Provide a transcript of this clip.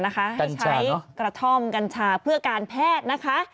กัญชากราธอมกัญชาเพื่อการแพทย์นะคะ